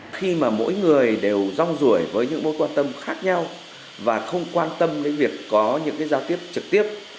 khi mà mỗi người đều rong rủi với những mối quan tâm khác nhau và không quan tâm đến việc có những giao tiếp trực tiếp